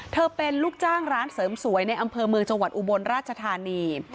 เธอเป็นลูกจ้างร้านเสริมสวยในอำเภอเมืองจังหวัดอุบลราชธานี